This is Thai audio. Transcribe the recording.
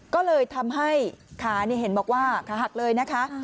ก็เลยทำให้ขาเห็นบอกว่าขาหักเลยนะคะ